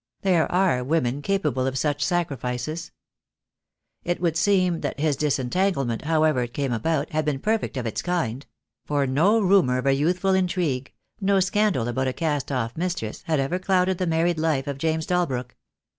There are women capable of such sacrifices. It would seem that his disentanglement, however it came about, had been perfect of its kind; for no rumour of a youthful intrigue, no scandal about a cast off mistress had ever clouded the married life of James Dalbrook.